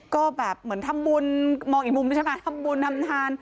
ก็แบบเหมือนทำบุญมองอีกมุมใช่ไหมทำบุญทำทาน